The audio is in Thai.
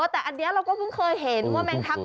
แต่อันนี้เราก็เพิ่งเคยเห็นว่าแมงทัพ